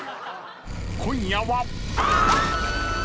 ［今夜は］